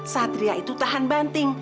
satria itu tahan banting